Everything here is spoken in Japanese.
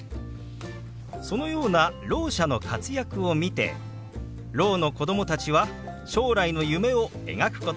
そのようなろう者の活躍を見てろうの子供たちは将来の夢を描くことができます。